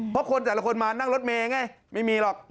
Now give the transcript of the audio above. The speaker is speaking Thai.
เพราะคนแต่ละคนมานั่งรถเมย์ไงไม่มีหรอก